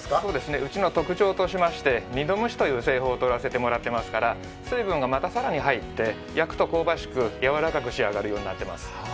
うちの特徴としまして二度蒸しという製法をとらせていただいていますから水分がまた更に入って焼くと香ばしくやわらかく仕上がるようになっています。